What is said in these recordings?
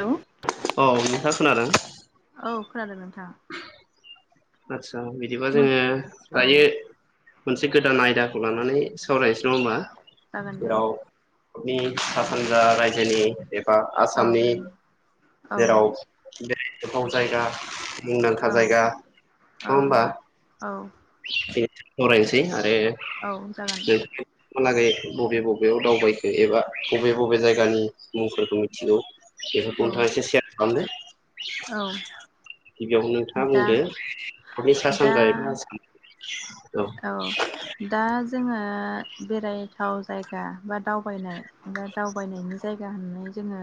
Hello औ नोंथां खोनादों औ खोनादों नोंथाङा आतसा बिदिबा जोङो औ दायो मोनसे गोदान आयदाखौ लानानै सावरायनोसै नङा होमबा जागोन दे जेराव सा सानजा रायजोनि एबा औ आसामनि जेराव बे गोबाव जायगा मुंदांखा औ जायगा औ नङा होबा औ बे फरायसै औ जागोन ए लागै बबे बबेयाव दावबायखो एबा बबे बबे जायगानि मुंफोरखौ मिथिगौ बेफो औ नोंथाङा एसे सेर खालामदो औ बेयावनो नोंथाङा दा बुंदो बिनि सा दा सानजा एबा औ दा जोङो बेरायथाव जायगा बा दावबायनाय बा दावबायनायनि जायगा होननानै जोङो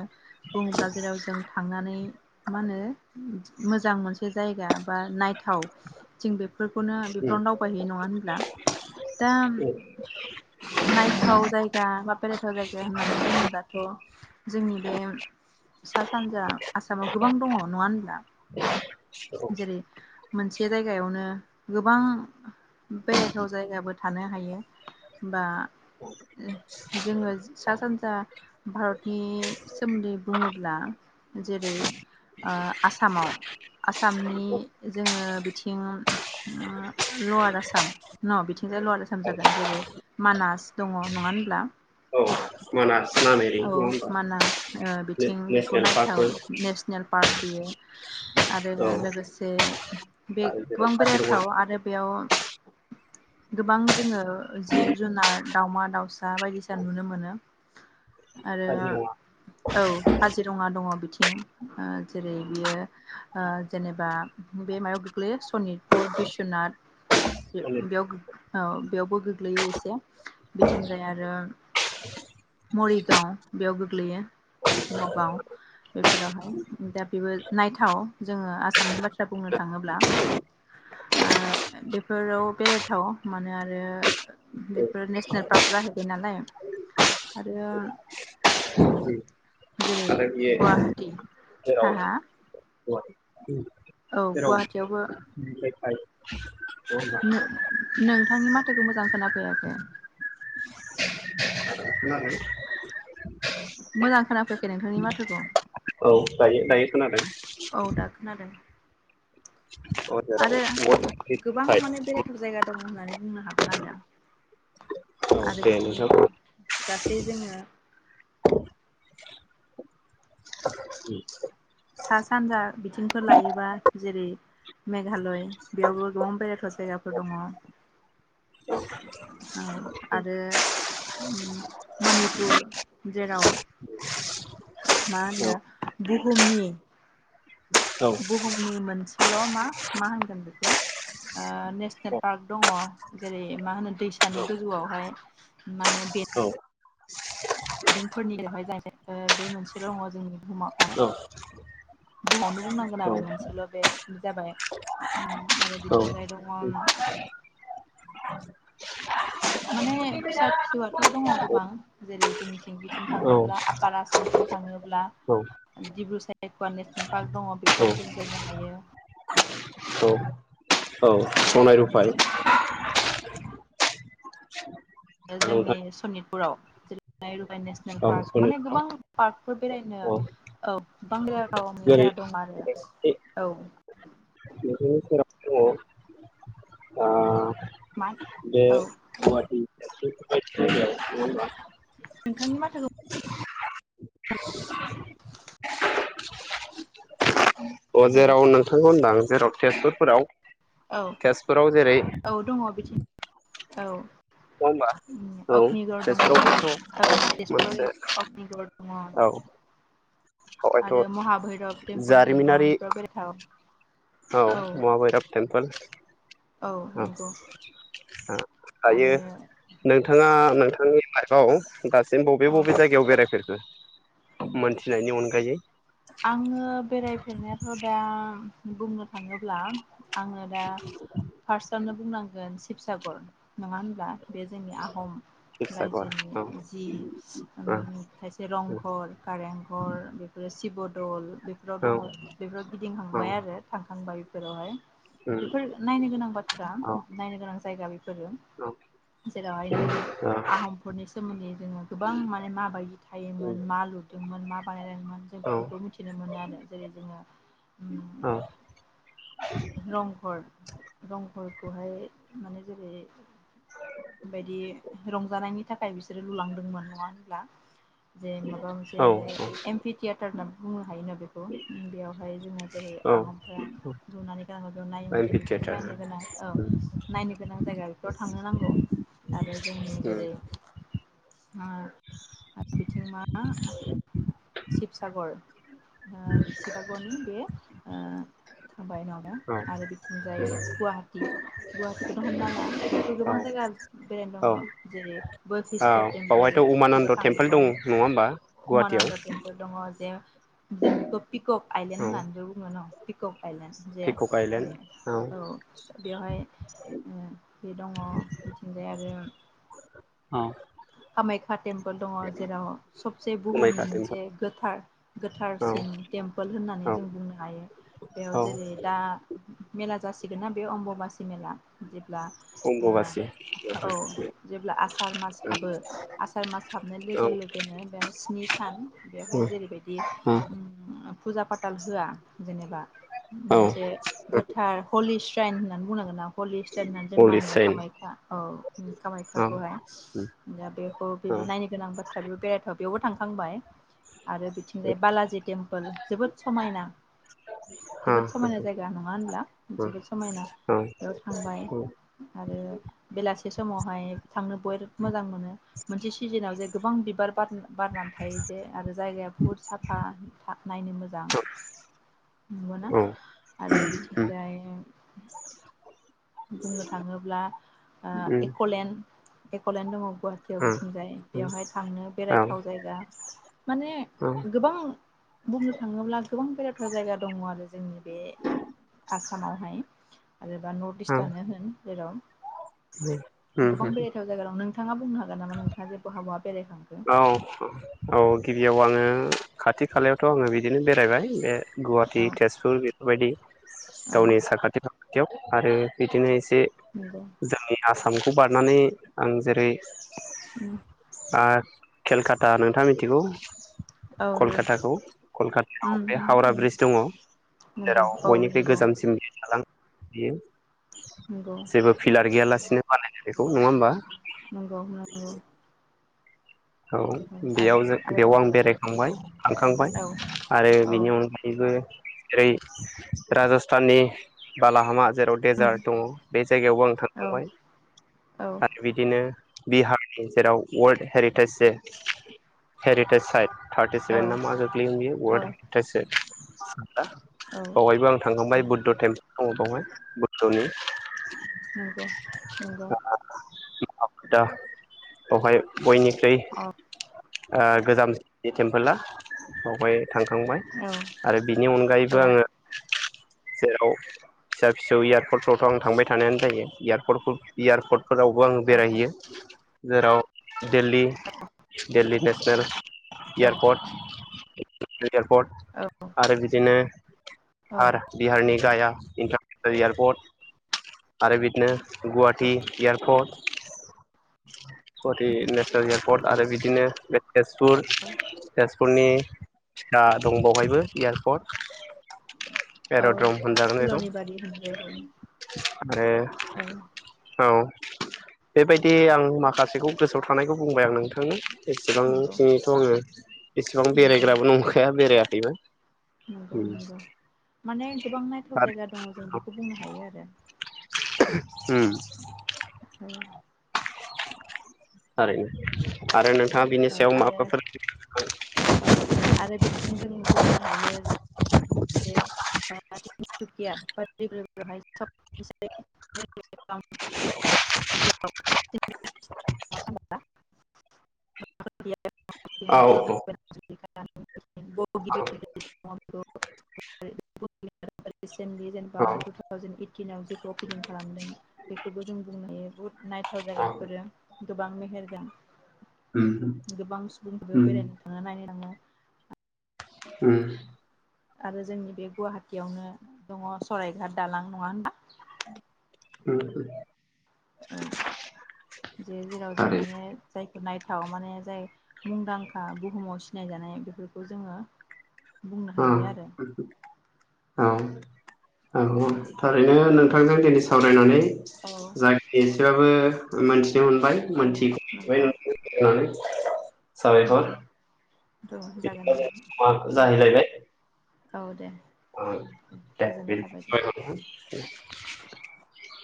बुङोब्ला जेराव जों थांनानै मा होनो मोजां मोनसे जायगा बा नायथाव जों बेफोरखौनो बेफोराव आसाम दावबाय हैैयो नङा ब्ला दा नायथाव जायगा बा बेरायथाव जायगा होननानै बुङोब्लाथ' जोंनि बे सा सानजा आसामाव गोबां दङ नङा होनब्ला? औ जेरै मोनसे जायगायावनो गोबां बेरायथाव जायगाबो थानो हायो बा जोङो सा सानजा भारतनि सोमोन्दै बुङोब्ला जेरै ओ आसामाव आसामनि जोङो बिथिं ल'वार आसाम साम न बिथिंजाय ल'वार आसाम जागोन जेरै मानास दङ नङा होनब्ला? औ मानास। नामेरि औ नङा होमबा मानास ओ बिथिं बेखौ नेसनेल पार्कफोर नायथाव नेसनेल पार्क बियो। आरो औ लोगोसे बे आरो जेराव गोबां काजिरङा बेरायाथाव आरो बेयाव गोबां जोङो जिब जुनार दावमा दाउसा बायदिसिना नुनो मोनो। आरो काजिरङा औ काजिरङा दङ बिथिं थिं जेरै बियो जेनेबा बे मायाव गोग्लैयो सनितपुर बिस्वनाथ आरो बे-बेयाव गो औ। बेयावबो गोग्लैयो एसे। बिथिंजाय आरो मरिगाव बेयाव गोग्लैयो नगाव बेफोरावहाय दा बेबो नायथाव जोङो आसामनि बाथ्रा बुंनो थाङोब्ला। ओ बेफोराव बेरायथाव मानो आ रो बेफोर नेसनेल पार्क जाहैबाय नालाय आरो [inaudible] जेरै बेयो गुवाहाटि हा हा गुवाटी औ गुवाहाटियावबो [unintelligible] नो-नोंथांनि माथोखौ मोजां खोनाफैयाखै। खोनादों? मोजां खोनाफैयाखै नोंथांनि माथोखौ। होमबा दायो दायो खोनादों? औ दा खोनादों। औ जेराव आरो औ गोबां माने बेरायथाव जायगा दङ होननानै बुंनो हागोन आरो आं। आरो दे बिथिं नोंथां औ गासै जोङो [unintelligible] सा सानजा बिथिंफोर लायोबा जेरै- मेघालय बेयावबो गोबां बेरायथाव जायगाफोर दङ औ आरो मनिपुर जेराव मा औ होनो बुहुमनि औ बुहुमनि मोन सेल' मा मा होनगोन बेखौ ओ नेसनेल पार्क दङ जेरै- मा होनो दैसानि गोजौआवहाय माने बे बिदोंफोरनि बेवहाय जाय ओ बे मोनसेल' दङ जोंनि। बुहुमाव माने बुहुमावनो बुंनांगोन आरो मोनसेल' बे बि जाबाय ओम आरो औ बिथिंनिफ्राय दङ माने फिसा फिसौआथ' दङ गोबां जेरै। [inaudible] जों बेथिं औ थाङोब्ला आफार आसामथिं थाङोब्ला दिब्रु सा [unintelligible] पार्क दङ बेफोरावबो जों गायनो हायो। औ औ सनाय रुफाय औ जोंनि सनित पुराव [unintelligible] नेसनेल पार्क सनाय माने गोबां पार्कफोर बेरायनो औ ओ बांद्राय गावनि जेरै जाया दं आरो औ। नोंसोरनि सेराव दङ ओ मा बे औ। गुवाहाटि बेफोरबायदि जायगायाव नङा होमबा नोंथांनि माथोखौ अ हेल' जेराव नोंथांखौ होनदां जेराव तेजपुरफोराव औ तेजपुराव जेरै औ दङ बिथिं औ होमबा ओम औ अग्निगर दङ तेजपुरावबोथ' औ तेजपुराव मोनसे ज अग्निगर दङ औ आरो बेवहायथ' महाभैरब टेमफल दङ जारिमिनारि फ्राव बेरायथाव। औ महाभैरब टेम्पोल। औ आ। हायो आरो नोंथाङा। नोंथांनि लाइफआव। दासिम बबे औ बबे जायगायाव बेरायफेरखो। मोनथिनायनि अनगायै। आङो बेरायफेरनायाथ' दा। बुंनो थाङोब्ला। आङो दा फार्स्टआवनो। बुंनांगोन शिबसागर नङा होनब्ला। बे जोंनि आहम फिसाखौ औ रायजोनि जि ओम औ खायसे रंघर कारेंघर बेफोरो। शिब'दल बेफोराव औ दङ बेफोर औ गिदिंहांबाय आरो थांखांबाय फोरावहाय बेफोर नायनो गोनां बाथ्रा औ नायनो गोनां जायगा बेफोरो औ जेरावहाय नोङो औ आहमफोरनि सोमोन्दै जोङो गोबां माने माबायदि थायोमोन मा लु मोन मा बानायनायमोन औ इफोरखौ मिथिनो मोनो आरो जेरै जोङो खौहाय माने जेरै बायदि रंजानायनि थाखाय [unintelligible] बिसोरो लुलांदोंमोन नङा होनब्ला जे माबा मोनसे औ एमपिति होनना बुंनो हायो बेखौ बेयावहाय जोङो जेरै औ आहमफ्रा लुनानै गोनां नायोमोन जों एमपि बेफोरखौ थियेटार औ नायनो गोनां औ नायनो गोनां जायगा बेफोराव थांनो नांगौ आरो जोंनि जेरै आ बिथिं मा चिप सागर ओ सिदागरनि बे ओ औ आरो बिथिंजाय गुवाहाटि गुवाहाटिखौथ हमना ला बेयावथ' गोबां औ जायगा बेरायनो दङ जेरै बोयखिष्ट टेम्पोल बावहायथ' उमानन्द बेफोराव टेम्पोल दं थांबाय नङा होमबा गुवाहाटियाव उमानन्द टेम्पोल दङ जों बेखौ पिक'क आइलेण्ड औ होननानैबो बुङो न' औ पिक'क आइलेण्ड जे पिकक आइलेण्ड औ औ बेवहाय ओ बे दङ बिथिंजाय आरो औ खामाख्या टेम्पोल दङ जेराव सबसे बुहुमनि कामाख्या मोनसे टेम्पोल गोथार औ गोथारसिन टेमपोल होननानै औ जों बुंनो हायो बेयाव औ जेरै दा मेला जासि- गोनना बे अम्ब'बासि मेला जेब्ला अम्बुबासि ओ औ जेब्ला आसार मास हाबो आसार मास हाबनाय लोगो लोगोनो बे स्नि सान बेवहाय जेरैबायदि फुजा फाथाल होआ जेनेबा औ मोनसे गोथार हलि स्राइन [unintelligible] पलिस्टार होननानै जों हलि मानियो सेन कामाख्या औ औ कामाख्याखौहाय। दा बेखौ औ बेबो नायनो गोनां बाथ्रा बेबो बेरायथाव बेयावबो थांखांबाय आरो बिथिंजाय बालाजि टेम्पोल जोबोद समायना जोबोद समायना जायगा नङा होनब्ला औ जोबोद समायना बेयाव थांबाय आरो बेलासि बे समावहाय थांनो बय मोजां मोनो मोनसे सिजोनाव जे गोबां बिबार बार बारनानै थायो जे आरो जायगाया बुहुत साफा नायनो मोजां नुवोना आरो बिथिंजाय बुंनो थाङोब्ला ओ एक'लेन्ड एक'लेन्ड दङ। गुवाहाटीयाव बिथिंजाय बेयावहाय थांनो औ बेरायथाव जायगा माने औ गोबां बुंनो थाङोब्ला गोबां बेरायथाव जायगा दङ आरो जोंनि बे आसामावहाय। आरोबा नर्ट इस्टयानो होन जेराव [unintelligible] ओम गोबां बेरायथाव जायगा ओम नोंथाङा बुंनो हागोन नामा नोंथाङाजे बहाबा औ अ' औ गिबियाव आङो ओ खाथि खालायावथ' आङो बिदिनो बेरायबाय बे गुवाहाटी औ तेजपुर बेफोरबायदि औ गावनि साखाथि फाखा थियाव आरो बिदिनो एसे नंगौ बे जोंनि आसाम बारनानै आं जेरै आ केलकाता नोंथाङा मिथिगौ औ नंगौ कलकाताखौ कलकातायाव उम बे हावरा उम ब्रिज दङ नंगौ जेराव औ बयनिख्रुइ नंगौ गोजामसिम दालां। बियो नंगौ जेबो पिलार गैयालासि बियो बानाय बेखौ नङा होमबा? नंगौ नंगौ औ आरो बेयाव जों बेयाव आं आरोबाव बेरायखांबाय थांखांबाय औ आरो औ बेनि अनगायैबो जेरै राजस्थाननि बालाहामा जेराव औ देजार्ट दङ' बे जायगायावबो आं थांखांबाय। औ आरो बिदिनो बिहारनि जेराव वर्ल्ड हेरिटेज जे हेरिटेज साइट थारटि औ सेभेन ना मा गोग्लैयो बियो वर्ल्ड टेज [unintelligible] [inaudible] हा औ बहायबो आं थांखांबाय बुद्ध टेम औ दङ' बुद्धनि नंगौ नंगौ। [unintelligible] बेवहाय बैनिफ्राय अ आ गोजाम बे टेम्पोला बावहाय थांखांबाय औ आरो बिनि अनगायैबो औ आङो जेराव फिसा फिसौ इयारपर्टावथ' आं थांबाय थानायानो जायो इयारपर्टफोर इयारपर्ट फोरावबो आं बेरायहैयो। जेराव देल्ली देल्ली [unintelligible] [unintelligible] औ इयारपर्ट इयारपर्ट आरो बिदिनो हार बिहारनि जायगा [unintelligible] एयारपर्ट आरो बिदिनो Guwahati airport Guwahati national airport आरो बिदिनो [unintelligible] तेजपुर तेजपुरनि दा दं बहायबो इयारपर्ट। औ सिल'निबारि होन जायखौ आरो औ औ बेबायदि आं माखासेखौ गोसोआव थानायखौ बुंबाय आरो नोंथांनो। एसेबां नंगौ इनिथ' आङो एसेबां नंगौ बेरायग्राबो नंखाया बेराया। [unintelligible] नंगौ नंगौ माने गोबां नायथाव थारैनो जायगा दङ' जों बेखौ बुंनो हायो आरो उम। औ। थारैनो मानो [unintelligible] औ आरो औ आरो बिथिं जों बुंनो हायो। [unintelligible] [unintelligible] औ [unintelligible] [unintelligible] [unintelligible] [unintelligible] जेनबा टु थावजेेन ओइतिनाव जेखौ अपेनिं औ खालामदों [unintelligible] जों बुंनो हायो [unintelligible] [unintelligible] गोबां मेहेर [unintelligible] गोबां सुबुंफोर उम बेरायनो थांङो नायनो [unintelligible] [unintelligible] आरो जोंनि बे गुवाहाटियावनो दङ' स'रायघाट दालां नङा होनबा। [unintelligible] औ जे जेराव जों थारै माने जाय नायथाव माने जाय मुंदांखा बुहुमाव सिनायजानाय बेफोरखौ जोङो। बुंनो [unintelligible] औ। हायो आरो [unintelligible] थारैनो नोंथांजों दिनै सावरायनानै [unintelligible] औ ओ मोन औ नंगौ [unintelligible] [inaudible] नंगौ साबायखर। औ जागोन दे [unintelligible] जाहैलायबाय। औ दे। गोजोननाय थाबाय दे [unintelligible]